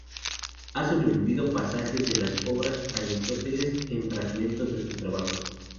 Han sobrevivido pasajes de las obras de Aristóteles en fragmentos de sus trabajos.